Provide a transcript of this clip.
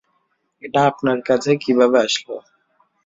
এটা আপনার কাছে কিভাবে আসল?